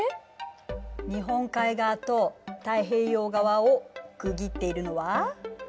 日本海側と太平洋側を区切っているのは？